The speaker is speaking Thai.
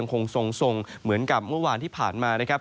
คงทรงเหมือนกับเมื่อวานที่ผ่านมานะครับ